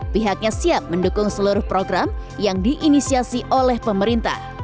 pihaknya siap mendukung seluruh program yang diinisiasi oleh pemerintah